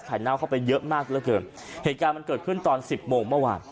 เน่าเข้าไปเยอะมากเหลือเกินเหตุการณ์มันเกิดขึ้นตอนสิบโมงเมื่อวาน